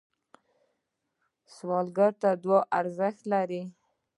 سوالګر ته دعا ارزښت لري